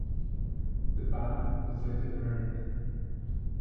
The pa was later burned.